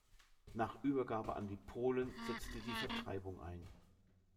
Nach Übergabe an die Polen setzte die Vertreibung ein.